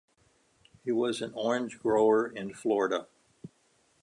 He was an orange grower in Florida.